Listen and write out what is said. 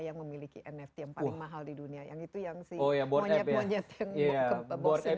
yang memiliki nfc yang paling mahal di dunia yang itu yang si oh ya buatnya punya kebosan